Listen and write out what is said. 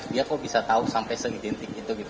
dia kok bisa tahu sampai segitiga